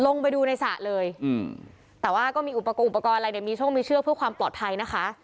ลงไปดูในสระเลยแต่ว่าก็มีอุปกรณ์อะไรมีเชือกเพื่อความปลอดภัยนะคะ